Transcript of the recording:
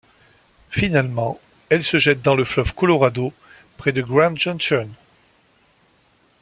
Finalement elle se jette dans le fleuve Colorado près de Grand Junction.